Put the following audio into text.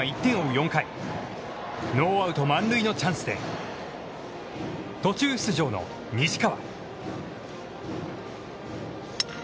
４回、ノーアウト、満塁のチャンスで途中出場の西川。